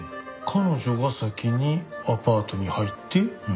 彼女が先にアパートに入って。